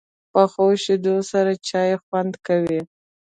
پخو شیدو سره چای خوند کوي